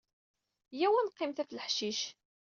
Yya-w ad neqqimet ɣef leḥcic.